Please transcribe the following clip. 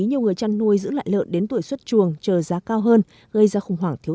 nhiều người chăn nuôi giữ lại lợn đến tuổi xuất chuồng chờ giá cao hơn gây ra khủng hoảng thiếu